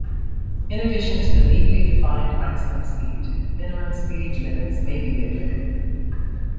In addition to the legally defined maximum speed, minimum speed limits may be applicable.